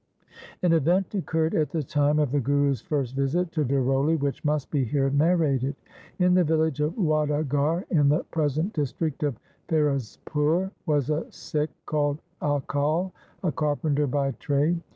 An event occurred at the time of the Guru's first visit to Daroli, which must be here narrated. In the village of Wadaghar in the present district of Firozpur was a Sikh called Akal, a carpenter by trade.